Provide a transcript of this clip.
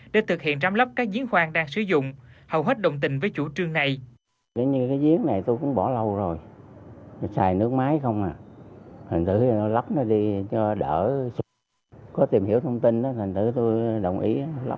để thực hiện trám lấp các diến khoan đang sử dụng hầu hết đồng tình với chủ trương này